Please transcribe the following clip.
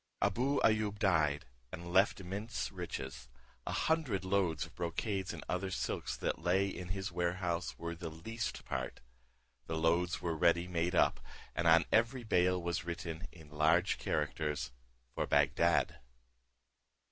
Abou Ayoub died, and left immense riches: a hundred loads of brocades and other silks that lay in his warehouse were the least part. The loads were ready made up, and on every bale was written in large characters, "For Bagdad."